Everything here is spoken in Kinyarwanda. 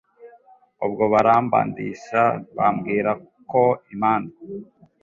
ubwo barambandisha bambwira ko imandwa